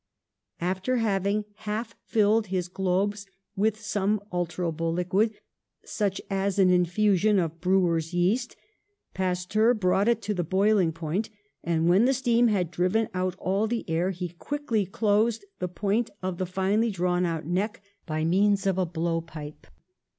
After having half filled his globes with some alterable liquid, such as an infusion of brewer's yeast, Pasteur brought it to the boiling point, and, when the steam had driven out ail the air, he quickly closed the point of the finely drawn out neck by means of a blow pipe.